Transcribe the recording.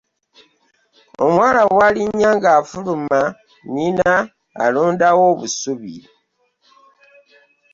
Omuwala w’alinnya ng’afuluma nnyina alondawo obusubi.